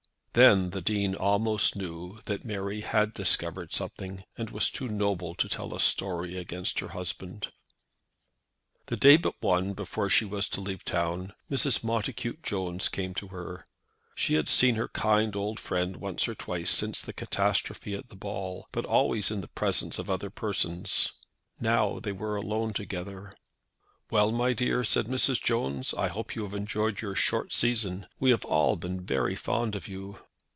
Then the Dean almost knew that Mary had discovered something, and was too noble to tell a story against her husband. The day but one before she was to leave town Mrs. Montacute Jones came to her. She had seen her kind old friend once or twice since the catastrophe at the ball, but always in the presence of other persons. Now they were alone together. "Well, my dear," said Mrs. Jones, "I hope you have enjoyed your short season. We have all been very fond of you."